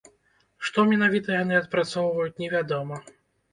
Што менавіта яны адпрацоўваюць, невядома.